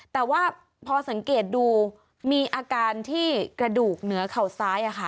แต่ว่าพอสังเกตดูมีอาการที่กระดูกเหนือเข่าซ้าย